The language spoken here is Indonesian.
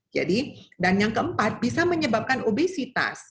jadi dan yang keempat bisa menyebabkan obesitas